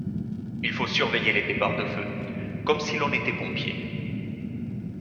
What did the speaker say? Il faut surveiller les départs de feu, comme si l’on était pompier.